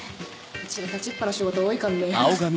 うちら立ちっぱの仕事多いかんね。